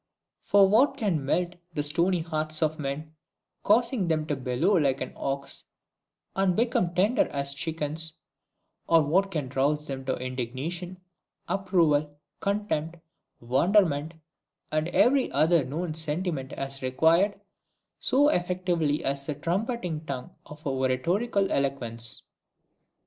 For what can melt the stony hearts of men, causing them to bellow like an ox and become tender as chickens, or what can rouse them to Indignation, Approval, Contempt, Wonderment, and every other known sentiment as required, so effectively as the trumpeting tongue of oratorical eloquence!